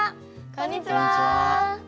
こんにちは！